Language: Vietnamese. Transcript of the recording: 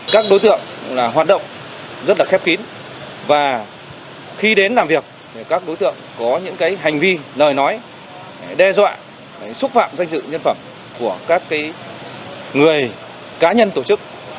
các đối tượng hoạt động rất là khép kín và khi đến làm việc các đối tượng có những hành vi lời nói đe dọa xúc phạm danh dự nhân phẩm của các người cá nhân tổ chức